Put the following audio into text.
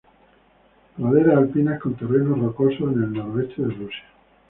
Praderas alpinas con terrenos rocosos, en el noreste de Rusia.